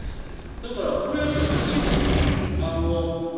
だからこれはおかしいですよね。